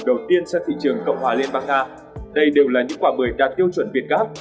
đầu tiên sang thị trường cộng hòa liên bang nga đây đều là những quả bưởi đạt tiêu chuẩn việt gáp